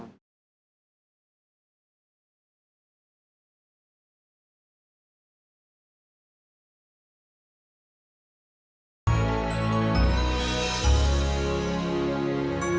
jangan lupa like share dan subscribe ya